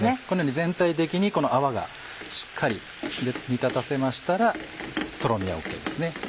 このように全体的に泡がしっかり煮立たせましたらとろみはＯＫですね。